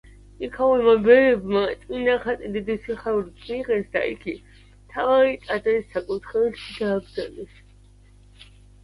იქაურმა ბერებმა წმიდა ხატი დიდი სიხარულით მიიღეს და იგი მთავარი ტაძრის საკურთხეველში დააბრძანეს.